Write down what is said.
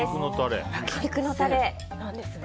焼き肉のタレなんですね。